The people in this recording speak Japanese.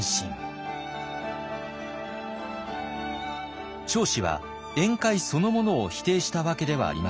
彰子は宴会そのものを否定したわけではありません。